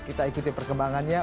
kita ikuti perkembangannya